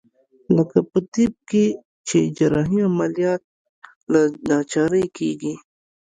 لکه په طب کښې چې جراحي عمليات له ناچارۍ کېږي.